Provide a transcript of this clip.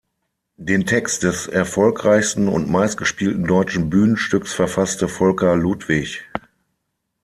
Den Text des erfolgreichsten und meistgespielten deutschen Bühnenstücks verfasste Volker Ludwig.